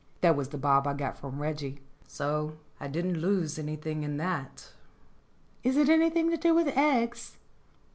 That was the bob I got from Reggie; so I didn't lose anything on that. "Is it anything to do with eggs